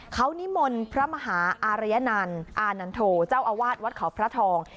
เขานิมนต์พระมหาอารยนันต์อานันโทเจ้าอาวาสวัดเขาพระทอง